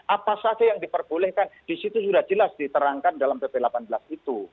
apa saja yang diperbolehkan disitu sudah jelas diterangkan dalam pp delapan belas itu